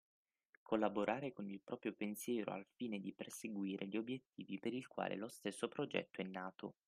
Collaborare con il proprio pensiero al fine di perseguire gli obbiettivi per il quale lo stesso progetto è nato.